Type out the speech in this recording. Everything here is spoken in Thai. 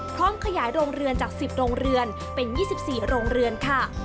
พร้อมขยายโรงเรือนจาก๑๐โรงเรือนเป็น๒๔โรงเรือนค่ะ